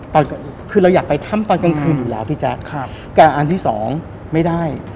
ตอนคือเราอยากไปถ้ำตอนกลางคืนอยู่แล้วพี่แจ๊คครับแต่อันที่สองไม่ได้